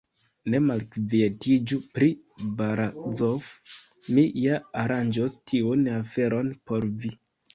Ne malkvietiĝu pri Barazof; mi ja aranĝos tiun aferon por vi.